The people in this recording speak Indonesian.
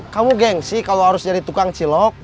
kamu geng sih kalau harus jadi tukang cilok